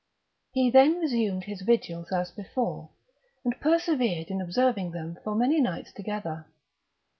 He then resumed his vigils as before, and persevered in observing them for many nights together.